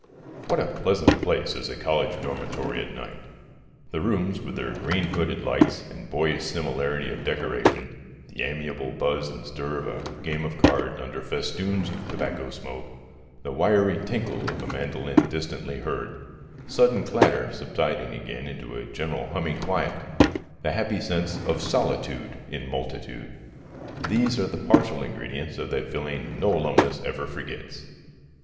What a pleasant place is a college dormitory at night! The rooms with their green hooded lights and boyish similarity of decoration, the amiable buzz and stir of a game of cards under festoons of tobacco smoke, the wiry tinkle of a mandolin distantly heard, sudden clatter subsiding again into a general humming quiet, the happy sense of solitude in multitude, these are the partial ingredients of that feeling no alumnus ever forgets.